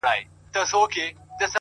وخت د زحمت ارزښت څرګندوي!